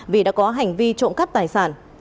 vì đã có hành vi trộm cắp tài sản